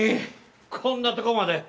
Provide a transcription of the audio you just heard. こんなとこまで。